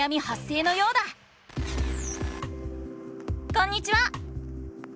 こんにちは！